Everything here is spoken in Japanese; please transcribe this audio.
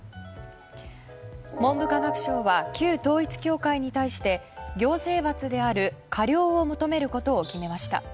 文部科学省は旧統一教会に対して行政罰である過料を求めることを決めました。